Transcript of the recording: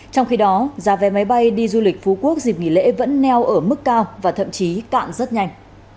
trong khi đó giá vé máy bay đi du lịch phú quốc dịp nghỉ lễ vẫn neo ở mức cao và thậm chí cạn rất nhanh